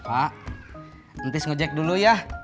pak entis ngejek dulu ya